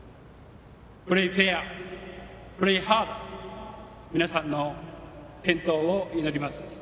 プレーフェア、プレーハード皆さんの健闘を祈ります。